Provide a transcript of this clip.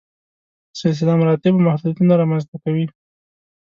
سلسله مراتبو محدودیتونه رامنځته کوي.